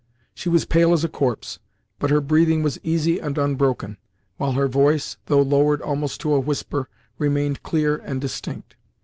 She was pale as a corpse, but her breathing was easy and unbroken, while her voice, though lowered almost to a whisper, remained clear and distinct.